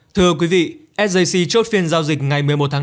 thưa quý vị sjc chốt phiên giao dịch ngày một mươi một tháng bốn